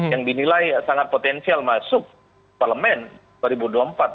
yang dinilai sangat potensial masuk parlemen dua ribu dua puluh empat